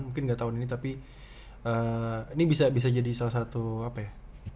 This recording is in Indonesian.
mungkin nggak tahun ini tapi ini bisa jadi salah satu apa ya